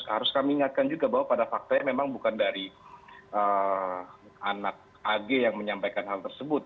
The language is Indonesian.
harus kami ingatkan juga bahwa pada faktanya memang bukan dari anak ag yang menyampaikan hal tersebut